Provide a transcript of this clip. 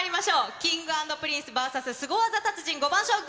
Ｋｉｎｇ＆ＰｒｉｎｃｅＶＳスゴ技達人５番勝負。